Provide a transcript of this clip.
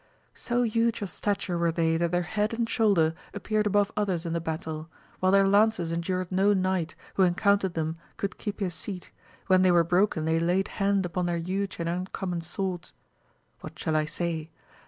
So huge of stature were they that their head and AMADIS OF GAUL. 213 shoulder appeared above others in the battle ; while their lances endured no knight who encountered them could keep his seat, when they were broken they laid hand upon their huge and uncommon swords. What shall I say